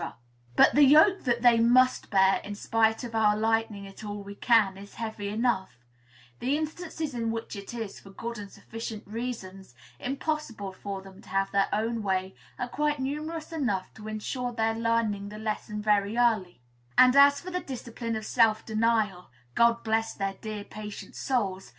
But the yoke that they must bear, in spite of our lightening it all we can, is heavy enough; the instances in which it is, for good and sufficient reasons, impossible for them to have their own way are quite numerous enough to insure their learning the lesson very early; and as for the discipline of self denial, God bless their dear, patient souls!